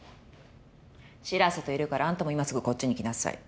白瀬といるからあんたも今すぐこっちに来なさい